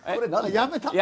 やめた。